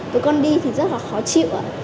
tụi con đi thì rất là khó chịu ạ